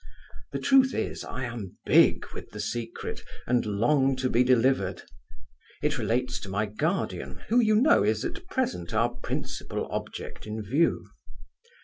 The truth is, I am big with the secret, and long to be delivered. It relates to my guardian, who, you know, is at present our principal object in view.